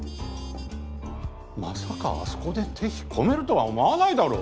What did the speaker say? まさかあそこで手引っ込めるとは思わないだろ？